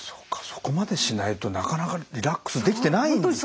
そこまでしないとなかなかリラックスできてないんですね。